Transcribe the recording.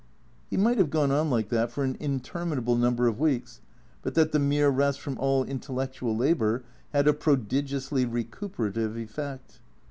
He might have gone on like that for an interminable number of weeks but that the mere rest from all intellectual labour had a prodigiously recuperative effect.